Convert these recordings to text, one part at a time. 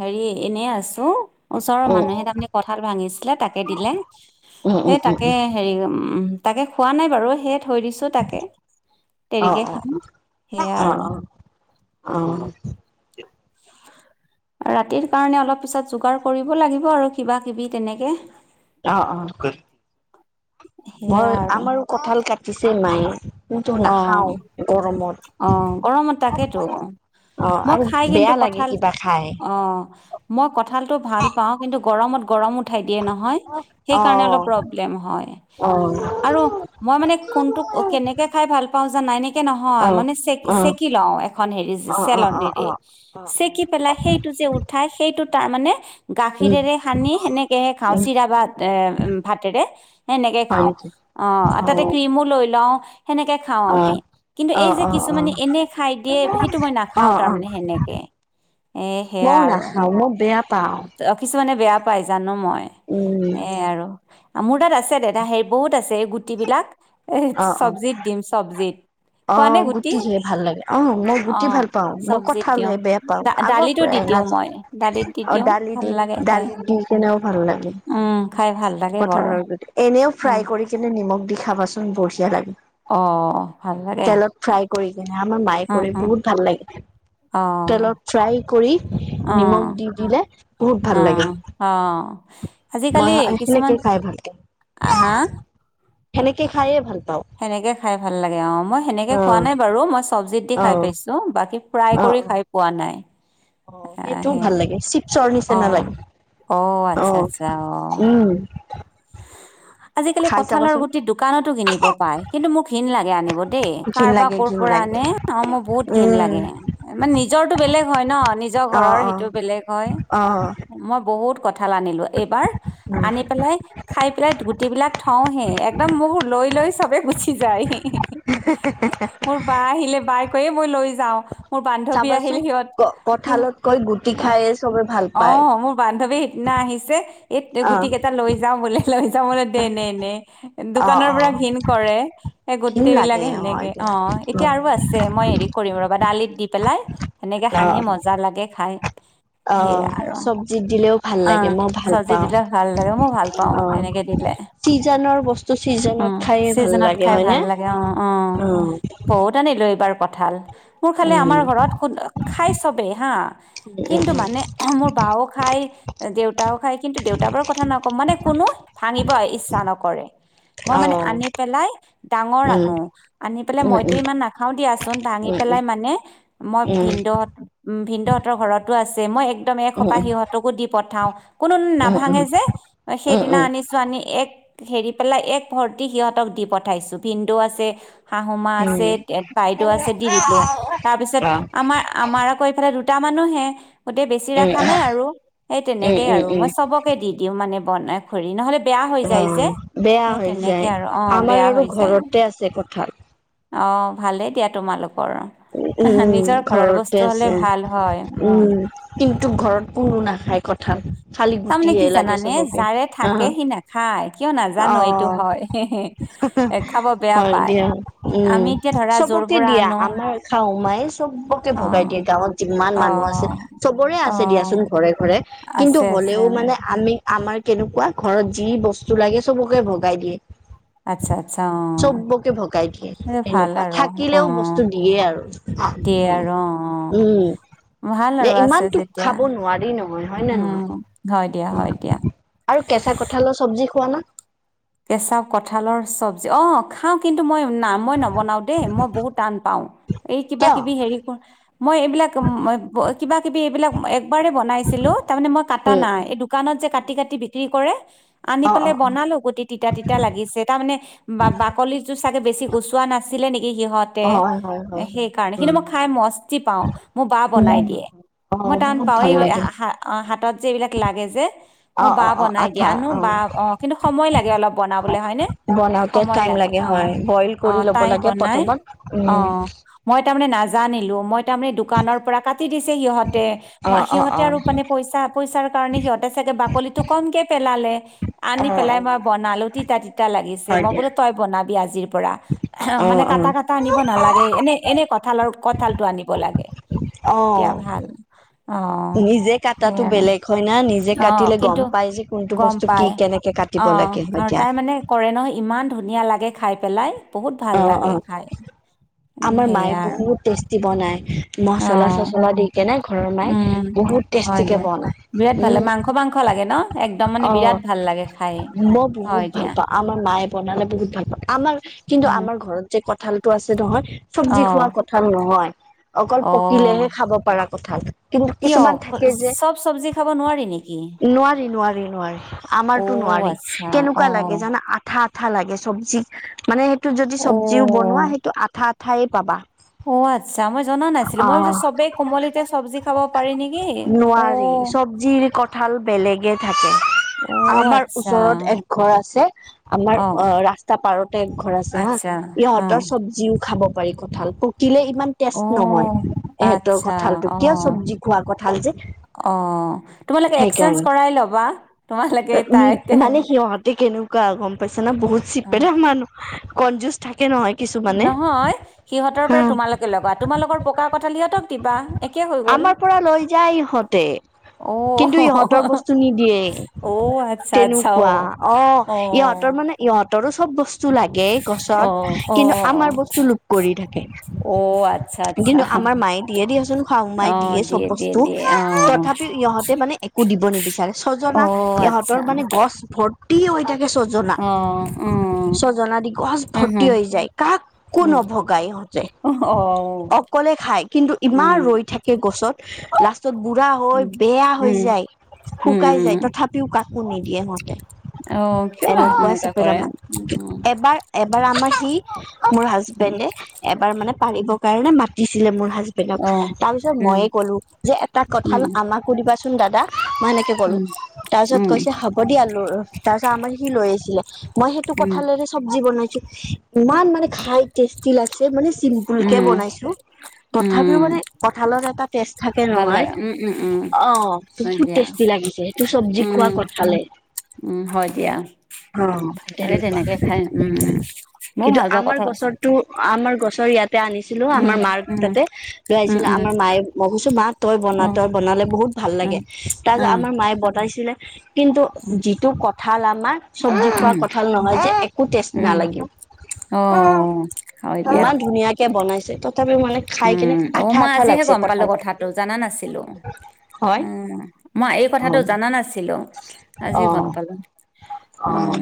হেৰি এনে আছোঁ ওচৰৰ উম, মানুহে তাৰমানে কঁঠাল ভাঙিছিলে তাকে দিলে। উম, উম, সেই উম, তাকে উম, হেৰি উম তাকে খোৱা নাই বাৰু সেয়ে থৈ দিছোঁ তাকে। অ দেৰিকে অ খাম অ সেয়া অ আৰু অ অ হ [inaudible] ৰাতিৰ কাৰণে অলপ পিছত যোগাৰ কৰিব লাগিব আৰু কিবা কিবি তেনেকে। অ অ কৰিম। সেয়া মই আৰু আম আৰো কঁঠাল কাটিছে মায়ে। মইটো অ নাখাওঁ গৰমত। অ গৰমত তাকেতো অ মই আৰু খাই কিন্তু বেয়া লাগে কঁঠাল কিবা খাই। অ মই কঁঠালতটো ভাল পাওঁ কিন্তু গৰমত গৰমত উঠাই দিয়ে নহয় সেই কাৰণে অলপ অ', পৰ্বলেম হয়। অ', আৰু মই মানে কোনটোক কেনেকে। পাউ যা নাইনিক কে নহয় অ'। অ', মানে চেকি অ', চেকি লওঁ এখন হেৰি অ', চেলনেৰে অ', অ', অ', অ'। চেকি পেলাই সেইটো কে যে উঠাই সেইটো তাৰ মানে উম, গাখীৰেৰে সানি সেনেকেহে খাওঁ উম, চিৰা বা ভাতেৰে সেনেকে হয় খাওঁ নেকি অ তাতে অ', ক্ৰীমো লৈ লওঁ সেনেকে খাওঁ আমি অ', কিন্তু এই অ', অ', যে অ', কিছুমানে এনে খাই দিয়ে সেইটো মই নাখাওঁ অ', অ'। তাৰমানে সেনেকে এ সেয়া মইও আৰু নাখাওঁ মই বেয়া পাওঁ কিছুমানে বেয়া পাই জানোঁ মই উম, এ আৰু মোৰ তাত আছে দাদা হেই বহুত আছে এই গুটি বিলাক এ অ', অ'। চবজিত। অ গুটি সেই ভাল লাগে আহ মই অ গুটি ভাল পাওঁ মই চব্জিত দিওঁ কঠালহে বেয়া পাওঁ দা আগৰ দালিতো দি পৰাই ন দিওঁ মই দালিত দি আৰু দিওঁ দালি ভাল দি লাগে খাই দালি দি কিনেও ভাল লাগে। উম খাই ভাল লাগে বৰ কঁঠালৰ এনেও অ ফ্ৰাই কৰি কিনে নিমখ দি খাবাচোন বঢ়িয়া লাগে। অ ভাল লাগে তেলত ফ্ৰাই কৰি কিনে আমাৰ মায়ে অ কৰি অ বহুত ভাল লাগে অ তেলত ফ্ৰাই কৰি। অ নিমখ দি দিলে বহুত অ ভাল লাগে। অ বা সেনেকে খাই ভালকে। আহ হা সেনেকে খায়ে ভাল। পাওঁ সেনেকে খাই ভাল লাগে অ মই সেনেকে অ খোৱা নাই বাৰু মই। চব্জিত অ খাই পাইছোঁ বাকী ফ্ৰাই অ অ কৰি খাই পোৱা নাই। অ আহ সেইটোও সেয়া ভাল লাগে। চৰ নিচিনা অ লাগে অ আচ্ছা আচ্ছা অ', উম আজিকালি খাই কঁঠালৰ চাবাচোন গুটি দোকানতো কিনিব পাই কিন্তু মোক ঘিণ লাগে আনিব দেই কাৰ ঘিন বা লাগে ক' ঘিন পৰা লাগে মানে অ মোৰ বহুত ঘিন উম লাগে মানে নিজৰতো বেলেগ হয় ন নিজৰ অ ঘৰৰ অ সেইটো বেলেগ হয়‌। অ মই বহুত কঁঠাল‌ আনিলোঁ এইবাৰ উম আনি পেলাই, খাই পেলাই গুটিবিলাক থওঁ হে একদম মোৰ লৈ লৈ চবে গুচি যায়। মোৰ বা আহিলে বাই কৈয়ে মই লৈ যাও মোৰ বান্ধৱী আহিল চাবাচোন সিহত ক সি কঁঠালতকৈ গুটি খায়ে চবে ভাল অ অ পায়। মোৰ বান্ধৱী সিদিনা আহিছে এই গুটি অ', কেইটা লৈ যাওঁ বোলে লৈ যাম বোলে নে নে অ', দোকানৰ পৰা অ', ঘিণ কৰে স ঘিণ গোটেই লাগে বিলাকে এনেকে অ এতিয়া এতিয়া উম, আৰু আছে মই হেৰি কৰিম ৰবা দালিত দি পেলাই সেনেকে সানি অ', মজা লাগে খাই সেই অ', আৰু চব্জিত দিলেও ভাল অ লাগে মই ভাল চবজী পাওঁ দিলে ভাল লাগে মই ভাল পাওঁ। অ', তেনেকেই দিলে। চিজনৰ বস্তু অ চিজনত খায়ে ভাল চিজনত লাগে খাই ভাল হয়নে? লাগে অ অ উম, বহুত আনিলো এইবাৰ কঠাল মোৰ খালে উম, আমাৰ ঘৰত খাই চবেই হা উম, কিন্তু উম, মানে মোৰ বাও খাই দেউতাও খায় কিন্তু দেউতা বা কথা ন কম মানে কোনো ভাঙিবই ইচ্ছা নকৰে, মই মানে অ', আনি পেলাই ডাঙৰ উম, আনো আনি পেলাই উম, উম, মইতো ইমান নাখাও দিয়াচোন ভাঙি উম, পেলাই মানে মই উম, ভিন্দহত ভিন্দহঁতৰ ঘৰত আছে মই একদম উম, এসোপাহ সিহঁতকো দি পঠাও কোনো উম, উম, উম, উম, উম, উম, অ', উম, উম, নাভাঙে যে সেইদিনা আনি এক হেৰি পেলাই এক ভৰ্তি সিহঁতক দি পঠাইছো ভিনদৌ আছে। শাহুমা আছে বাইদেউ আছে দি দিলো তাৰপিছত আমাৰ আমাৰ আকৌ এইফালে দু দুটা মানুহে গোটেই বেছি ৰখা নাই আৰু সেই উম, তেনেকেই উম, আৰু উম, মই চবকে দি দিওঁ মানে বনাই খৰি নহ'লে বেয়া হৈ যায় যে অ', বেয়া সেই হৈ তেনেকে যায় আৰু অ আমাৰ বেয়া আৰু হৈ যায়। ঘৰতে আছে কঁঠাল। অঁ ভালেই দিয়া তোমালোকৰ উম, নিজৰ ঘৰৰ ঘৰতে বস্তু হলে আছে ভাল হয় উম কিন্তু ঘৰত কোনো নাখায় কঁঠাল খালি তাৰমানে গুটিহে কি লাগে জানানে চবকে। যাৰে আহ থাকে সি নাখায় কিয় নাজানো এইটো অ' হয় এ খাব বেয়া হয় পায় দিয়া উম আমি এতিয়া ধৰা যৰ চবকে পৰা দিয়া আনো আমাৰ শাহু মাই চবকে অ ভগাই দিয়ে গাঁৱত যিমান মানুহ আছে অ চবৰে আছে অ দিয়াচোন ঘৰে ঘৰে কিন্তু আছে আছে হ'লেও অ মানে আমি আমাৰ কেনেকুৱা ঘৰত যি বস্তু লাগে সবকে ভগাই দিয়ে আচ্ছা আচ্ছা অ চবকে ভগাই দিয়ে এই ভাল এনেকুৱা আৰু অ থাকিলেও বস্তু দিয়ে আৰু দিয়ে আৰু অ উম। অ ভাল যে আৰু আছে ইমান তো যেতিয়া খাব নোৱাৰি নহয় হয় নে উম হয় দিয়া হয় দিয়া নহয়? আৰু কেঁচা কঁঠালৰ চব্জি খোৱা নে? কেঁচা কঁঠালৰ চব্জি। অ খাওঁ কিন্তু মই না মই নবনাও দেই। মই বহুত টান পাওঁ। এই কিবা কিয়? কিবি হেৰি খন মই এইবিলাক কিবা কিবি এইবিলাক একবাৰেই বনাইছিলো। তাৰ মানে মই কাটা উম, নাই। এই দোকানত যে কাটি কাটি বিক্ৰী কৰে। আনি অ', পেলাই অ', বনালোঁ গোটেই তিতা তিতা লাগিছে। তাৰমানে বাকলি বাকলি চাগে বেছি গুচোৱা নাছিলে নেকি? সিহঁতে অ', হয়, হয়, হয়। সেইকাৰণে। কিন্তু মই খাই মস্তি পাওঁ। মোৰ বা বনাই উম, দিয়ে। মই অ', টাউন বহুত ভাল পাইয়ে লাগে। হাতত এইবিলাক লাগে যে। মোৰ অ', বা অ', অ', বনাই দিয়ে আঠা আনো যে। বা অ কিন্তু সময় লাগে তেতিয়া অলপ বনাবলৈ হয় নে? বনাওতে সময় টাইম লাগে। অ হয়, বইল অ। কৰি ল'ব তাই লাগে বনাই প্ৰথমত। অ। উম, মই তাৰমানে নাজানিলো। মই তাৰমানে দোকানৰ পৰা কাটি দিছে সিহঁতে। অ', অ', সিহঁতে অ', আৰু মানে পইচা, পইচাৰ কাৰণে সিহঁতে বাকলিটো কমকে পেলালে। আনি অ', পেলাই মই অ', বনালো তিতা তিতা লাগিছে। হয় মই দিয়া, বোলো তই বনাবি আজিৰ পৰা মানে অ', কাটা অ', কাটা আনিব নালাগে। এনে এনে কঁঠালৰ কঁঠালটো আনিব লাগে। অ তেতিয়া ভাল অ নিজে সেই কাটাটো আৰু বেলেগ হয় না। নিজে অ', কাটিলে কিন্তু গম পাই আজি কোনটো গম বস্তু কি পাই। কেনেকে কাটিব অ', লাগে হয় আৰু দিয়া, তাই মানে কৰে ন ইমান ধুনীয়া লাগে খাই পেলাই। বহুত ভাল অ লাগে অ। খাই, উম, আমাৰ মায়ে সেয়া আৰু বহুত টেষ্টি বনাই। মচলা অ', চচলা দি কেনে ঘৰত মায়ে উম, বহুত হয় টেষ্টিকে দিয়া। বনায়। বিৰাট ভাল উম। লাগে, মাংস মাংস লাগে ন? একদম মানে অ। বিৰাট ভাল লাগে খাই, মই বহুত হয় ভাল দিয়া। পাও আমাৰ মায়ে বনালে বহুত ভাল পাওঁ। আমাৰ কিন্তু উম, আমাৰ ঘৰত যে কঁঠালতটো আছে নহয়। চব্জি অ', খোৱা কথা নহয়। অকল অ', পকিলেহে খাব পাৰা কঁঠাল। কিন্তু কিয় কিছুমান থাকে যে। চব চব্জি খাব নোৱাৰি নেকি? নোৱাৰি নোৱাৰি নোৱাৰি অ', নোৱাৰি। আচ্ছা, কেনেকুৱা লাগে অ', জানা আঠা আঠা লাগে। চব্জি মানে টো যদি চব্জিও অ', বনোৱা। সেইটো আঠা আঠাই পাবা। অ আচ্ছা। মই জনা নাছিলো মই অ ভাবিছোঁ চবেই কোমলিতে চব্জি খাব পাৰি নেকি অ। নোৱাৰি চব্জিৰ কঁঠাল বেলেগে থাকে। অ', আমাৰ আচ্ছা। ওচৰত এক ঘৰ আছে। আমাৰ অ ৰাস্তা পাৰতে এক ঘৰ আছে হা। আচ্ছা, অ', ইহঁতৰ চব্জিও খাব পাৰি কঁঠাল দিলে ইমান টেষ্ট নহয়। অ', এহঁতৰ আচ্ছা, কঁঠালটো কিয় অ', চব্জি খোৱা কঠাল যে অ তোমালোকে এক্সচেঞ্জ সেইকাৰণে কৰাই ল'বা। তোমালোকে তাত কোৱা গম পাইছো না বহুত চিপেৰা মানুহ কনজুজ থাকে নহয়। কিছুমানে নহয় সিহঁতৰ হা পৰা তোমালোকে লবা। তোমালোকৰ পকা কঠালি সিহঁতক দিবা। একে হৈ গ'ল। আমাৰ পৰা লৈ যায় ইহঁতে। অ', কিন্তু ইহঁতৰ বস্তু নিদিয়ে অ', আচ্ছা, আচ্ছা, তেনেকুৱা। অ অ', ইহঁতৰ মানে ইহঁতৰো চব বস্তু লাগে গছত অ', কিন্তু আমাৰ অ', বস্তু লোভ কৰি থাকে। অ', আচ্ছা, আচ্ছা, কিন্তু আমাৰ মায়ে দিয়ে দি ইহঁতক। যি খাও শাওমাই অ', দিয়ে চব দিয়ে, বস্তু। দিয়ে, অ', তথাপি ইহঁতে মানে একো দিব নিবিচাৰে। ছজনা অ', আচ্ছা, ইহঁতৰ মানে গছ ভৰ্তি হৈ থাকে ছজনা। অ', উম, ছজনা দি গছ উম, ভৰ্তি হম, হৈ যায়। কাকো উম, নভগায় ইহঁতে। অ', অকলে খায়। কিন্তু ইমান উম। ৰৈ থাকে গছত লাষ্টত বুঢ়া হৈ উম, বেয়া হৈ উম, যায়। উম, শুকাই যায় তথাপিও ক কাকো নিদিয়ে সিহঁতে। অহ। কিয় বা তেনেকুৱা কৰে? অহ [unintelligible] মোৰ হাজবেণ্ডে এবাৰ মানে পাৰিবৰ কাৰণে মাতিছিলে মোৰ হাজবেণ্ডক অ', তাৰ পিছত উম, ময়ে ক'লো যে এটা কথা উম, আমাকো দিবাচোন দাদা মই এনেকে কলো উম, তাৰ পিছত উম, কৈছে? হ'ব দিয়া তাৰপিছত আমাৰ সি লৈ আহিছিলে মই সেইটো উম, কঁঠালেৰে চব্জি বনাই ইমান মানে খাই। তেষ্টি লাগছে মানে চিম্পল কে উম, বনাইছো তথাপিও উম, মানে কঁঠালৰ এটা টৈষ্ট থাকে ভাল নহয় লাগে উম, উম, উম, অহ হয় বহুত দিয়া, টেষ্টি লাগিছে সেইটো চব্জি উম, খোৱা কঁঠালে। উম হয় দিয়া অ ভাল লাগে তেনেকুৱা তেনেকে খাই উম। ময়ো কিন্তু ভাল পাওঁ আমাৰ কঁঠাল গছৰটো চব্জি আমাৰ গছৰ ইয়াতে আনি। ছিলো উম, আমাৰ মাক উম, তাতে লৈ উম, আহিছিলে উম, আমাৰ মায়ে মই কৈছো ম তই বনা উম, তই বনালে বহুত। ভাল উম, লাগে তাৰপাছত অ', আমাৰ মায়ে বতাইছিলে কিন্তু যিটো কঠাল আমাক। চব্জি খোৱাৰ উম, কথাল নহয় যে একো টেষ্ট উম, নালাগিব? অ হয় দিয়া। ইমান ধুনীয়াকে বনাইছে ত। উম অ মই আজিহে গম পালো কঁঠাল কথাটো জানা নাছিলো হয় উম। মই এই অ কথাটো জানা নাছিলো আজি গম পালো। অ উম,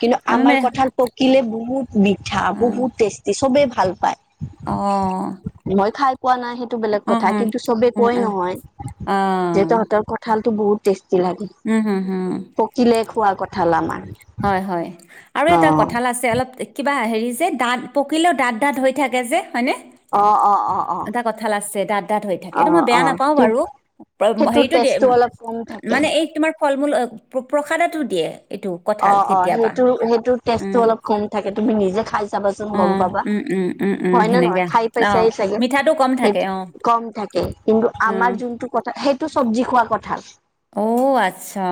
কিন্তু আমি মানে আমাৰ কথাৰ। শিকিলে বহুত মিঠা অ', বহুত টেষ্টি চবে ভাল পায়। অ কোৱা নাই সেইটো বেলেগ উম, কথা হম, কিন্তু চবে উম, কয় উম, নহয় যে অ', তহতৰ কঁঠালটো বহুত ষ্ট। লাগে উম, হম, হম, পকিলে খোৱা কথাল আমাৰ। হয় হয় আৰু এটা কঠাল অ আছে অলপ কিবা হেৰি। যে দাঁত পকিলেও দাঁত দাঁত হৈ থাকে যে হয়নে। অ অ অ অ এটা কঁঠাল আছে দত দাঁত হৈ থাকে অ এইটো মই অ বেয়া নাপাও বাৰু সেইটোৰ হেৰিটো। টেষ্টটো অলপ কম থাকে মানে এই তোমাৰ ফল মূল প্ৰসাদটো দিয়ে এইটো। কঁঠাল অহ', অহ', কেতিয়াবা। সেইটো -সেইটো টেষ্টটো উম, অলপ কম থাকে তুমি নিজে খাই চাবাচোন গম অ', পাবা। উম, উম, উম, উম, হয় নে নহয় সেনেকে ঠাই অ', পাইছাই চাগে মিঠাটো কম থাকে সেইটো অ'। কম থাকে কিন্তু আমাৰ উম, যোনটো কথা সেই টো চব্জি খোৱা কথা। অহ, আচ্ছা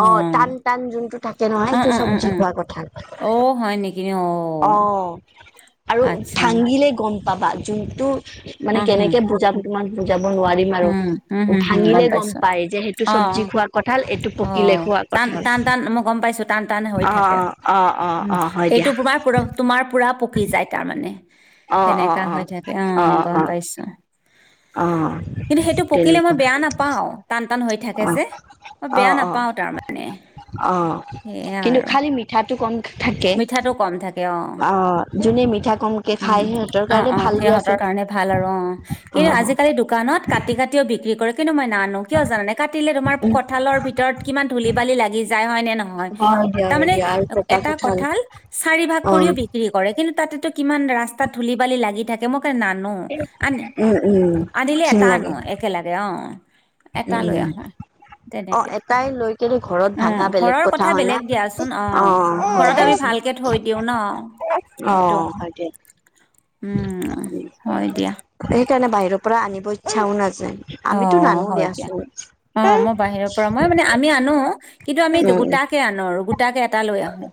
অহ। তাকে নহয় এইটো চব্জি খোৱা কথা অ' হয় নেকি অ' অ',। আৰু আচ্ছা ভাঙিলে গম পাবা যোনটো মানে উম, হম, কেনেকে বুজাম তোমাক বুজাব নোৱাৰিম আৰু উম, উম, হম, হম, ভাঙিলে গম পাইছো পাই যে সেইটো চব চব্জি অ', খোৱা কঁঠাল এইটো পকিলে অ' খোৱা টান কঁঠাল। টান টান মই গম পাইছো টান টানে হৈ থাকে অ উম অ হয় দিয়া এইটো তোমাৰ পৰা তোমাৰ পুৰা পকি যায় তাৰমানে। অ অ সেনেকা অ হৈ থাকে অ অহ গম অ পাইছো। অ কিন্তু সেইটো পকিলে মই তেনেকুৱা বেয়া নাপাও টান- টান হৈ থাকে অ যে মই বেয়া নাপাও তাৰ। মানে? অহ, কিন্তু খালি মিঠাটো কম থাকে মিঠাটো কম থাকে অ' অহ যোনে মিঠা কমকে খাই সিহঁতৰ কাৰণে ভাল দিয়াচোন। সেইকাৰণে ভাল আৰু অ' অ কিন্তু আজিকালি দোকানত কাটি- কাটিও বিক্ৰী কৰে কিন্তু মই নানো কিয় জানানে কাটিলে তোমাৰ উম কঁঠালৰ ভিতৰত কিমান ধূলি বালি লাগি যায় হয় নে নহয়। হয় দিয়া হয় তাৰমানে দিয়া আৰু পকা এটা কঠাল কঁঠাল চাৰি ভাগ অ কৰি বিক্ৰী কৰে কিন্তু তাতেতো কিমান ৰাস্তা ধূলি বালি লাগি থাকে মোক নানো আন উম উম - আনিলে ঘিণ এটা আনো লাগে একেলেগে অ', এটা উম লৈ উম আহো। অ তেনেকে এটাই লৈ কেনে ঘৰত উম ভাঙা বেলেগ ঘৰৰ কথা হয় না বেলেগ দিয়াচোন অ' হয় ঘৰত [unintelligible] আমি দিয়াচোন ভালকে থৈ দিওঁ অ ন' এটো। হয় দিয়া উম, হয় দিয়া। হেইকাৰণে বাহিৰৰ পৰা আনিব ইচ্ছাও নাযায় আমিতো নানো দিয়াছোন। অহ, মই বাহিৰৰ পৰা মই মানে আমি আনো কিন্তু আমি উম গোটাকে আনো আৰু গোটাকে এটা লৈ আহোঁ।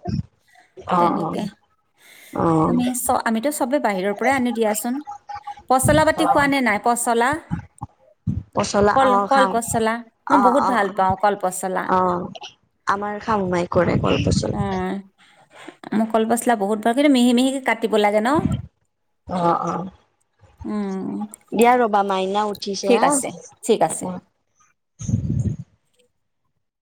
অ', অ', অ আমি চ' আমিতো চবে বাহিৰৰ পৰাই আনি দিয়াচোন পচলা পাতি খোৱা নে নাই পচলা? পচলা কল অ কল খাওঁ পচলা মই অ বহুত অ অ ভাল পাওঁ কল পচলা অ আমাৰ খাওঁ। মাই কৰে কলপচলা মই কলপচলা বহুত বাৰ কিন্তু মিহি মিহিকে কাটি কাতিব লাগে ন অ অ উম। দিয়া ৰ'বা মাইনা উঠিছে ঠিক আছে ঠিক আছে হা [inaudible]